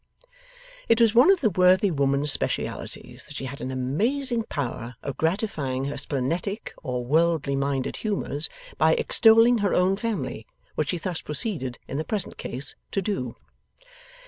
It was one of the worthy woman's specialities that she had an amazing power of gratifying her splenetic or worldly minded humours by extolling her own family: which she thus proceeded, in the present case, to do.